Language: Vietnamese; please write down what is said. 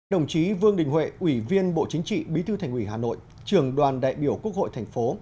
đồng chí vương đình huệ ủy viên bộ chính trị bí thư thành ủy hà nội trường đoàn đại biểu quốc hội thành phố